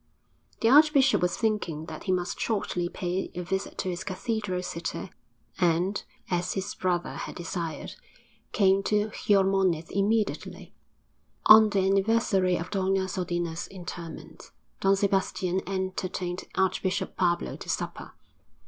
_' The archbishop was thinking that he must shortly pay a visit to his cathedral city, and, as his brother had desired, came to Xiormonez immediately. On the anniversary of Doña Sodina's interment, Don Sebastian entertained Archbishop Pablo to supper.